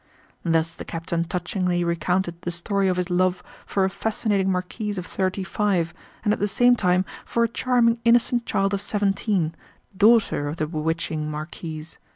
Thus the captain touchingly recounted the story of his love for a fascinating marquise of thirty five and at the same time for a charming, innocent child of seventeen, daughter of the bewitching marquise.